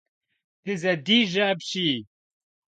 Дызэдижьэ апщий!